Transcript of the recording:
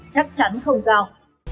chắc chắn không cao